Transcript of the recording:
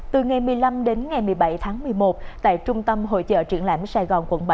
từ ngày một mươi năm đến ngày một mươi bảy tháng một mươi một tại trung tâm hội trợ trưởng lãnh sài gòn quận bảy